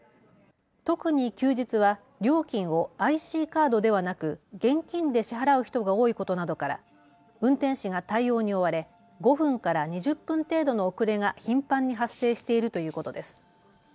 特に休日は料金をＩＣカードではなく、現金で支払う人が多いことなどから運転士が対応に追われ５分から２０分程度の遅れが頻繁に発生しているということです。